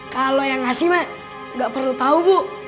kalau yang ngasih mah gak perlu tau bu